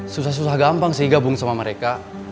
susah susah gampang sih gabung sama mereka